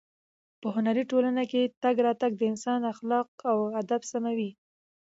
په هنري ټولنو کې تګ راتګ د انسان اخلاق او ادب سموي.